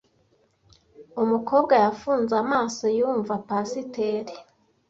Umukobwa yafunze amaso yumva pasiteri.